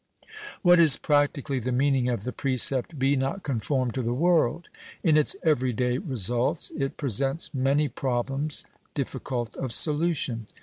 What is practically the meaning of the precept, "Be not conformed to the world?" In its every day results, it presents many problems difficult of solution.